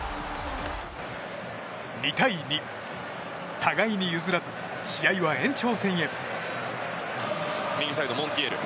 互いに譲らず試合は延長戦へ。